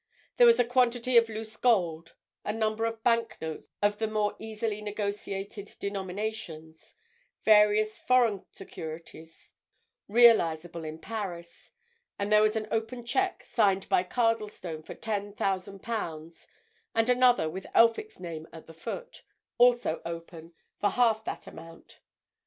There was a quantity of loose gold; a number of bank notes of the more easily negotiated denominations; various foreign securities, realizable in Paris. And there was an open cheque, signed by Cardlestone for ten thousand pounds, and another, with Elphick's name at the foot, also open, for half that amount.